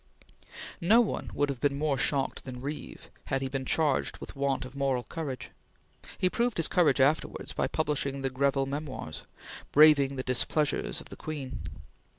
No one would have been more shocked than Reeve had he been charged with want of moral courage. He proved his courage afterwards by publishing the "Greville Memoirs," braving the displeasure of the Queen.